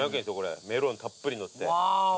メロンたっぷりのって。